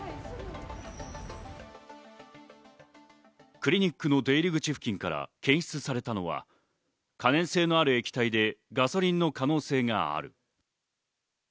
クリニックの出入り口付近から検出されたのは可燃性のある液体でガソリンの可能性がある。